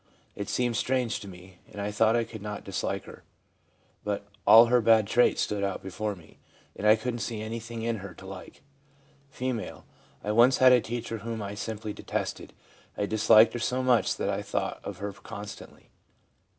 It seemed strange to me, and I thought I could not dislike her ; but all her bad traits stood out before me, and I couldn't see anything in her to like.' F. ' I once had a teacher whom I simply detested. I disliked her so much that I thought of her constantly.